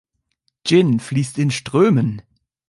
Gin fließt in Strömen!